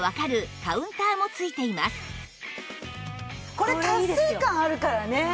これ達成感あるからね！